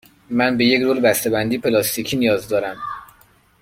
من به یک رول بسته بندی پلاستیکی نیاز دارم.